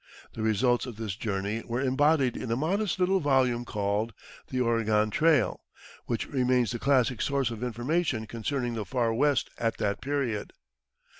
The results of this journey were embodied in a modest little volume called "The Oregon Trail," which remains the classic source of information concerning the far West at that period.